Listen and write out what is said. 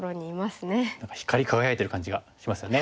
何か光り輝いてる感じがしますよね。